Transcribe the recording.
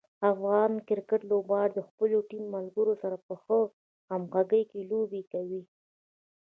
افغان کرکټ لوبغاړي د خپلو ټیم ملګرو سره په ښه همغږي کې لوبې کوي.